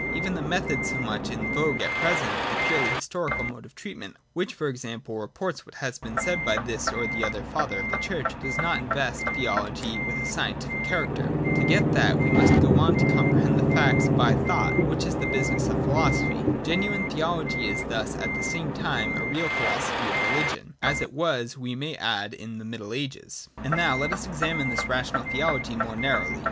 Even the method so much in vogue at present — the purely historical mode of treatment — which for example reports what has been said by this or the other Father of the Church— does not invest theology with a scientific character. To get that, we must go on to comprehend the facts by thought, — which is the business of philosophy. Genuine theology is thus at the same time a real philosophy of religion, as it was, we may add, in the Middle Ages. And now let us examine this rational theology more nar rowly.